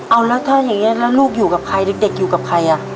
เอาแล้วถ้าอย่างนี้แล้วลูกอยู่กับใครเด็กอยู่กับใครอ่ะ